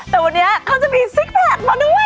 แต่วันนี้เขาจะมีซิกแพคมาด้วย